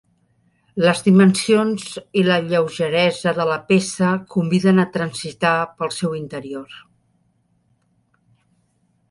Les dimensions i la lleugeresa de la peça conviden a transitar pel seu interior.